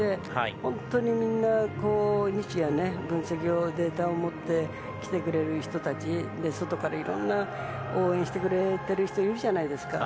本当にみんな日夜、分析をデータを持って来てくれる人たちそして、外からいろんな応援してくれている人いるじゃないですか。